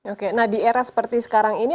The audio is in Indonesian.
oke nah di era seperti sekarang ini